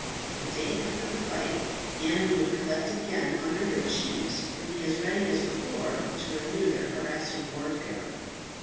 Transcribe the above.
The day after the fight, the enemy would collect again under their chiefs, and be as ready as before to renew their harassing warfare.